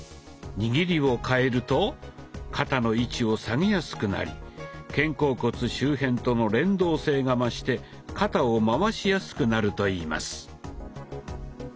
握りを替えると肩の位置を下げやすくなり肩甲骨周辺との連動性が増して肩を回しやすくなるといいます。